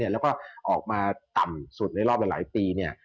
แล้วก็ออกมาต่ำสุดในรอบหลายปี